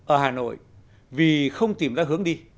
ở hà nội vì không tìm ra hướng đi